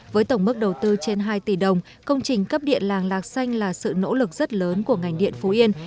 với tổng mức đầu tư trên hai tỷ đồng công trình cấp điện làng lạc xanh là sự nỗ lực rất lớn của ngành điện phú yên